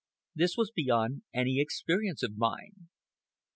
This was beyond any experience of mine.